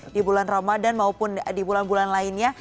di bulan ramadan maupun di bulan bulan lainnya